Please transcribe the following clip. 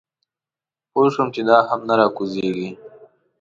پوی شوم چې دا هم نه راکوزېږي.